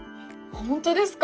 ホントですか？